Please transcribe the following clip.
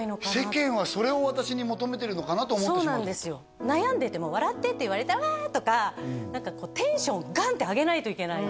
世間はそれを私に求めてるのかなと思ってしまうってことか悩んでても笑ってって言われてワー！とか何かこうテンションガン！って上げないといけない